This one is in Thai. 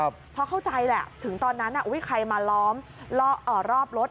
เพราะเข้าใจแหละถึงตอนนั้นใครมาล้อมรอบรถ